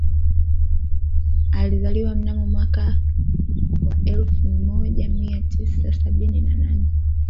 Alizaliwa mnamo mwaka wa elfu moja mia tisa sabini na nane